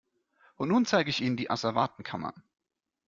Und nun zeige ich Ihnen die Asservatenkammer.